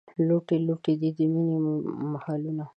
لوټې لوټې دي، د مینې محلونه